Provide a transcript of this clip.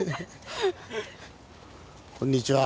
こんにちは。